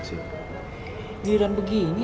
kalo kamu ingin pergi di segera